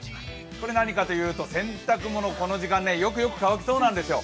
これ何かというと洗濯物、この時間よくよく乾きそうなんですよ。